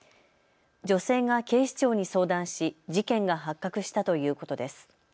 女性が警視庁に相談し事件が発覚したということです。